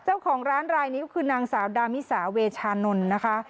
เจ้าของร้านรายนี้ก็คือนางสาวดามิสาเวชานนท์นะคะ